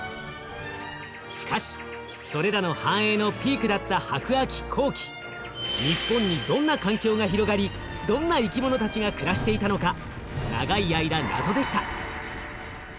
しかしそれらの繁栄のピークだった白亜紀後期日本にどんな環境が広がりどんな生きものたちが暮らしていたのか長い間謎でした。